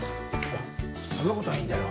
あっそんなことはいいんだよ。